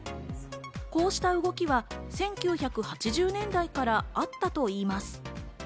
こうした動きは１９８０年代からあったといいます。